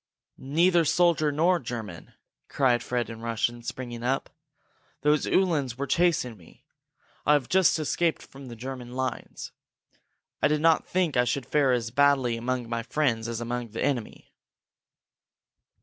"Neither soldier nor German!" cried Fred in Russian, springing up. "Those Uhlans were chasing me! I have just escaped from the German lines. I did not think that I should fare as badly among my friends as among the enemy!"